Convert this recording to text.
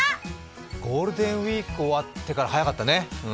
ゴールデンウイーク終わってから早かったね。